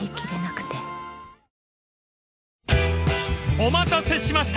［お待たせしました！